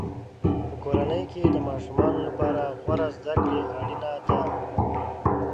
په کورنۍ کې د ماشومانو لپاره غوره زده کړه اړینه ده.